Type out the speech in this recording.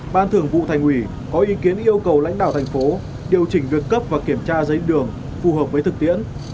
ban thường vụ thành ủy có ý kiến yêu cầu lãnh đạo thành phố điều chỉnh việc cấp và kiểm tra giấy đường phù hợp với thực tiễn